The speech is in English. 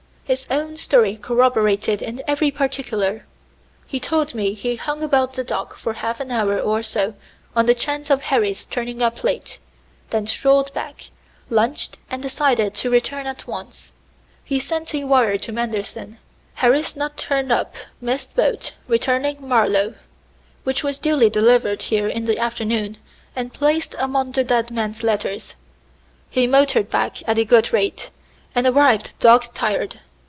"His own story corroborated in every particular. He told me he hung about the dock for half an hour or so on the chance of Harris turning up late, then strolled back, lunched and decided to return at once. He sent a wire to Manderson: 'Harris not turned up missed boat returning Marlowe,' which was duly delivered here in the afternoon, and placed among the dead man's letters. He motored back at a good rate, and arrived dog tired.